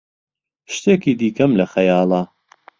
شتێکی دیکەم لە خەیاڵە.